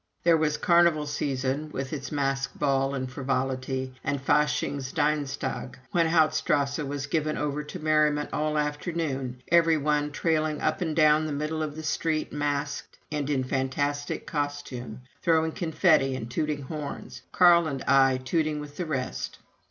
There was Carnival season, with its masque balls and frivolity, and Faschings Dienstag, when Hauptstrasse was given over to merriment all afternoon, every one trailing up and down the middle of the street masked, and in fantastic costume, throwing confetti and tooting horns, Carl and I tooting with the rest.